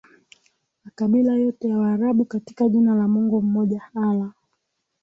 makabila yote ya Waarabu katika jina la Mungu mmoja Allah